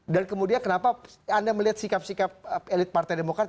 dan kemudian kenapa anda melihat sikap sikap elit partai demokrat